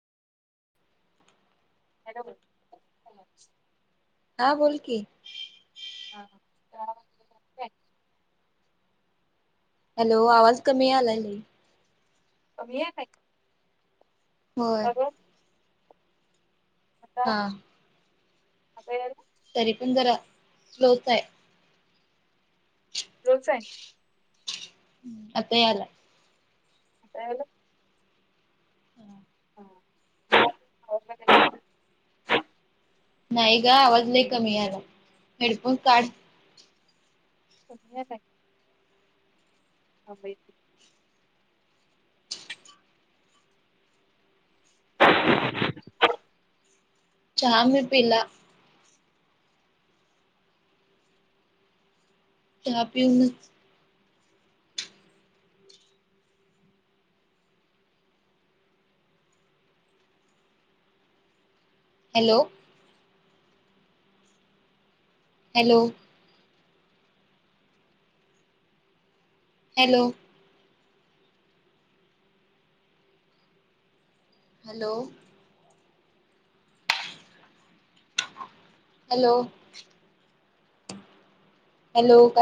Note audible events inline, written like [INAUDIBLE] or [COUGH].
Hello हा बोल की. हा हा [UNINTELLIGIBLE] हॅलो! आवाज कमी यालाय लई. कमी हे काय? होय. आता हा आता यायलाय तरी पण जरा स्लोच आहे स्लो चं हाय हम्म आता यालाय काय झालं हं आवरलं काय नाही नाही ग आवाज लई कमी यालाय हेडफोन काढ कमी यालाय तजब बाई [UNINTELLIGIBLE] चहा मी पिला चहा पिऊनचं hello hello hello hello hello hello